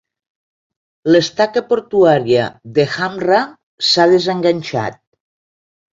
L'estaca portuària de Dhamra s'ha desenganxat.